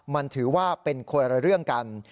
มันถือว่าเป็นคนละเรื่องกัน